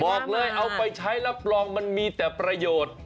บอกเลยเอาไปใช้รับรองมันมีแต่ประโยชน์